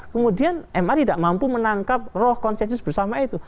kemudian ma tidak mampu menangkap roh konsensus bersama itu